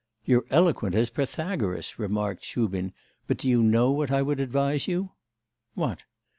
'You're eloquent as Pythagoras,' remarked Shubin; 'but do you know what I would advise you?' 'What?